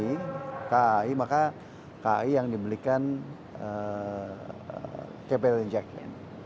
dan ini kai maka kai yang diberikan capital injection